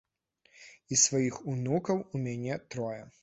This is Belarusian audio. І сваіх унукаў у мяне трое.